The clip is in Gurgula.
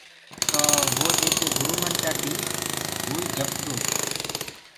تو وو جيڪو گُرو منتر ديس وو ئي جپدو گو۔